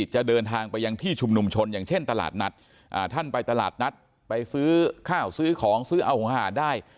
จะเดินทางไปยังที่ชุมนุมชนอย่างเช่นตลาดนัดท่านไปตลาดนัดไปซื้อข้าวซื้อของซื้อเอาของหาดได้